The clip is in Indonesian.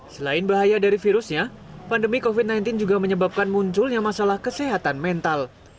selain bahaya dari virusnya pandemi covid sembilan belas juga menyebabkan munculnya masalah kesehatan mental